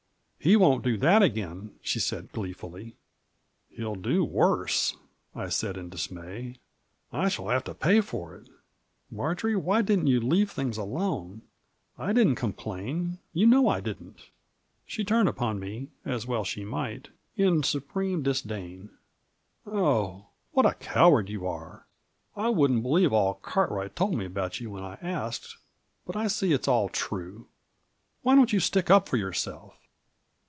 '' "He won't do that again," she said, gleefully. " He'll do worse," I said in dismay ;" I shall have to pay for it. Marjory, why didn't you leave things alone ? I didn't complain — ^you know I didn't I " She turned upon me, as well she might, in supreme disdain. " Oh 1 what a coward you are. I wouldn't be lieve all Cartwright told me about you when I asked — but I see it's all true. Why don't you stick up for your self?"